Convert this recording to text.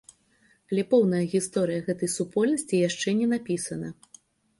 Але поўная гісторыя гэтай супольнасці яшчэ не напісана.